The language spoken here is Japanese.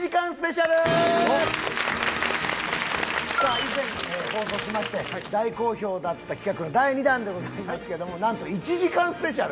以前放送しまして大好評だった企画の第２弾でございますけどもなんと１時間スペシャル！